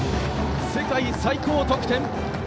世界最高得点。